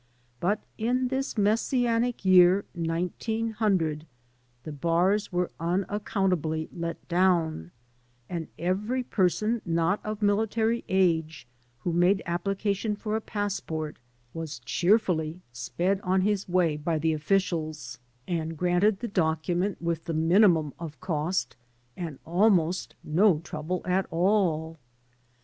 But in this Messianic year 1900 the bars were unaccountably let down, and every person not of military age who made application for a passport was cheerfully sped on his 9» THE EXODUS way by the officials and granted the document with the minimum of cost and almost no trouble at all.